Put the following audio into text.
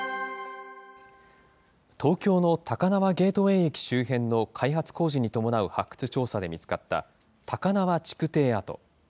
東京の高輪ゲートウェイ駅周辺の開発工事に伴う発掘調査で見つかった、高輪築堤跡。